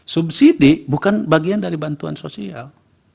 subsidi bukan bagian dari bantuan sosial